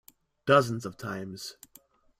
Dozens of times.